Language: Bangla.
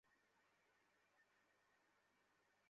অনুমতি পেয়ে সে পূর্বদিক থেকে আত্মপ্রকাশ করে।